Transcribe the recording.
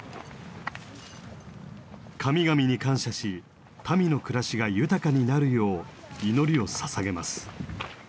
神々に感謝し民の暮らしが豊かになるよう祈りをささげます。